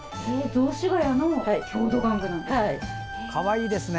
雑司が谷の郷土玩具なんですか。